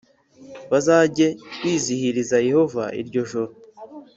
bazajye bizihiriza Yehova iryo joro